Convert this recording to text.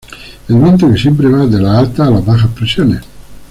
El viento siempre va de las altas a las bajas presiones.